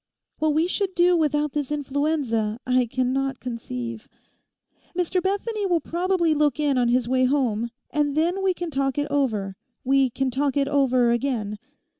What we should do without this influenza, I cannot conceive. Mr Bethany will probably look in on his way home; and then we can talk it over—we can talk it over again.